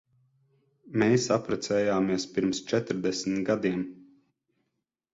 Mēs apprecējāmies pirms četrdesmit gadiem.